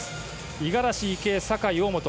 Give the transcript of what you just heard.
五十嵐、池江、酒井、大本。